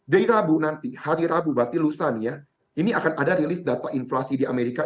dari rabu nanti hari rabu berarti lusa nih ya ini akan ada rilis data inflasi di amerika